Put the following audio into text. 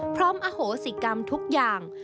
พร้อมอโหสิกรรมทุกอย่าง